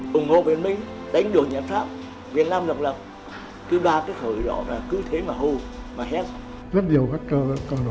cùng hô việt minh đánh đuổi nhật pháp việt nam lập lập cứ đoán cái khởi độ là cứ thế mà hư mà hết